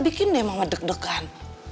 bikin emang medek dekan